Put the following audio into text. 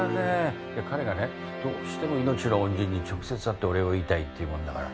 彼がねどうしても命の恩人に直接会ってお礼を言いたいって言うもんだから。